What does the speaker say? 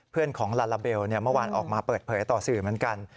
ของลาลาเบลเมื่อวานออกมาเปิดเผยต่อสื่อเหมือนกัน